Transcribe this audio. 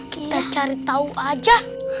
kita cari tau aja